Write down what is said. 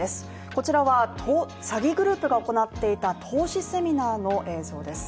こちらは詐欺グループが行っていた投資セミナーの映像です。